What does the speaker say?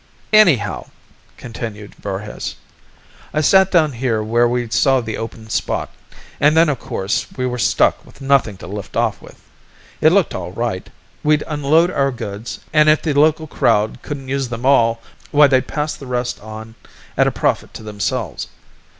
"Anyhow," continued Voorhis, "I set down here where we saw the open spot, an' then of course we were stuck with nothin' to lift off with. It looked all right. We'd unload our goods, an' if the local crowd couldn't use them all, why they'd pass the rest on at a profit to themselves.